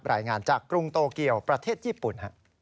รายงานจากกรุงโตเกียวประเทศญี่ปุ่น